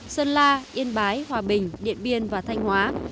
sơn la yên bái hòa bình điện biên và thanh hóa